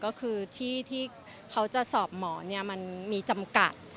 ก็คือที่ที่เขาจะสอบหมอมันมีจำกัด